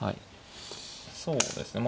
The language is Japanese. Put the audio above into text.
そうですね。